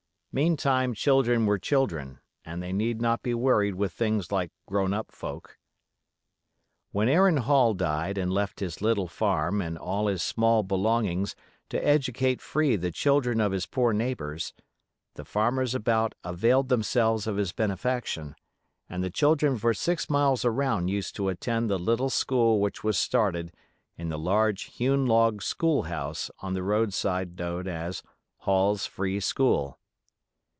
Meantime "children were children", and they need not be worried with things like grown up folk. When Aaron Hall died and left his little farm and all his small belongings to educate free the children of his poor neighbors, the farmers about availed themselves of his benefaction, and the children for six miles around used to attend the little school which was started in the large hewn log school house on the roadside known as "Hall's Free School".